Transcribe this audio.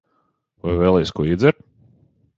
Vai vēlies ko iedzert?